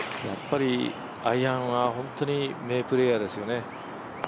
やっぱりアイアンは、本当に名プレーヤーですよね。